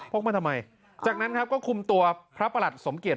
กมาทำไมจากนั้นครับก็คุมตัวพระประหลัดสมเกียจ